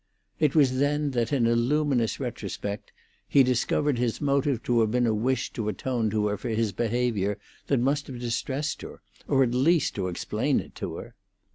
It was then that in a luminous retrospect he discovered his motive to have been a wish to atone to her for behaviour that must have distressed her, or at least to explain it to her.